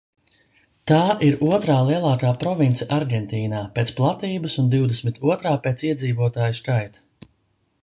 Tā ir otrā lielākā province Argentīnā pēc platības un divdesmit otrā pēc iedzīvotāju skaita.